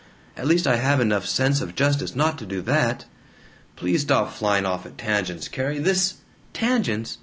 At least I have enough sense of justice not to do that." "Please stop flying off at tangents, Carrie. This " "Tangents?